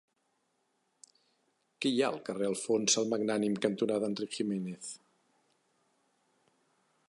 Què hi ha al carrer Alfons el Magnànim cantonada Enric Giménez?